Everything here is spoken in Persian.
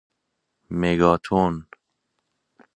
مگاتن